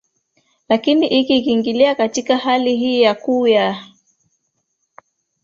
lakini iki ikiingilia katika hali hii ya ku ya